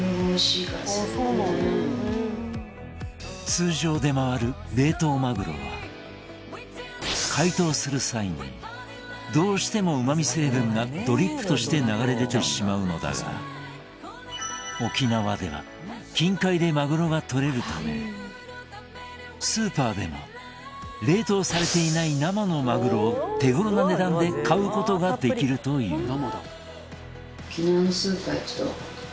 通常出回る冷凍マグロは解凍する際にどうしても、うまみ成分がドリップとして流れ出てしまうのだが沖縄では近海でマグロがとれるためスーパーでも冷凍されていない生のマグロを手ごろな値段で買うことができるという。